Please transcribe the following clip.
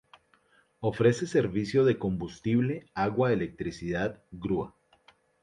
Ofrece servicio de Combustible, Agua, Electricidad, Grúa.